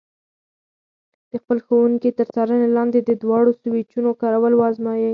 د خپل ښوونکي تر څارنې لاندې د دواړو سویچونو کارول وازمایئ.